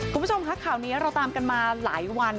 คุณผู้ชมคะข่าวนี้เราตามกันมาหลายวัน